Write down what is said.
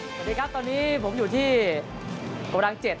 สวัสดีครับตอนนี้ผมอยู่ที่โกดัง๗